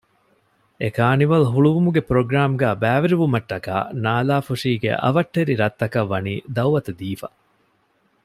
އެކާނިވަލް ހުޅުވުމުގެ ޕްރޮގްރާމްގައި ބައިވެރިވުމަށްޓަކާ ނާލާފުށީގެ އަވަށްޓެރި ރަށްތަކަށް ވަނީ ދައުވަތު ދީފަ